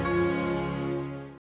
panti asuhan mutiara bunda